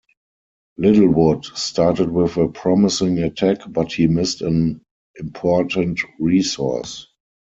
Littlewood started with a promising attack, but he missed an important resource.